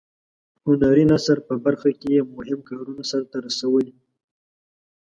هنري نثر په برخه کې یې مهم کارونه سرته رسولي.